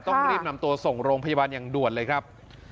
ต้องรีบนำตัวส่งโรงพยาบาลอย่างด่วนเลยครับ